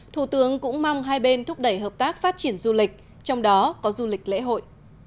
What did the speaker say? thủ tướng cũng mong hai bên thúc đẩy hợp tác phát triển du lịch trong đó có du lịch lễ hội